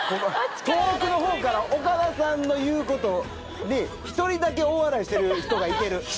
遠くの方から岡田さんの言うことに１人だけ大笑いしてる人がいてる。